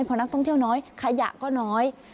พอนักท่องเที่ยวน้อยขยะก็น้อย